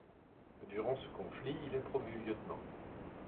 Durant ce conflit, il est promu lieutenant.